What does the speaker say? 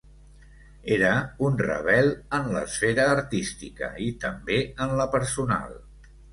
Era un rebel en l’esfera artística i també en la personal.